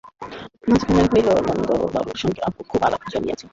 মাসখানেক হইল নন্দবাবুর সঙ্গে অপুর খুব আলাপ জমিয়াছে।